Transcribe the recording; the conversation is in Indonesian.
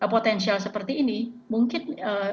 potensial seperti ini mungkin